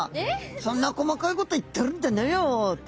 そんな細かいこと言ってるんじゃないよって。